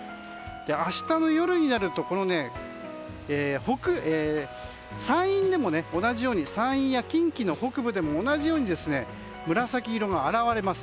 明日の夜になると山陰や近畿の北部でも同じように紫色が現れます。